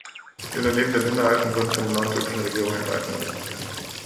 Die Unternehmen der Minderheiten wurden von der neuen türkischen Regierung enteignet.